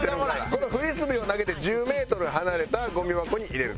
このフリスビーを投げて１０メートル離れたゴミ箱に入れると。